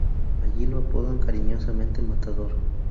Allí lo apodan cariñosamente "Matador".